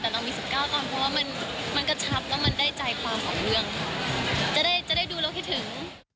แต่เรามี๑๙ตอนเพราะว่ามันมันกระชับแล้วมันได้ใจความสองเรื่องค่ะจะได้จะได้ดูแล้วคิดถึง